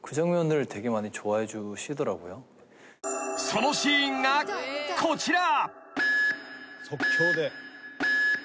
［そのシーンがこちら］